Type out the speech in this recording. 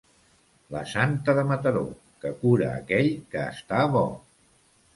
La Santa de Mataró, que cura aquell que està bo.